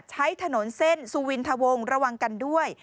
ใช้ถนนเส้นสุวินทะวงระวังกันด้วย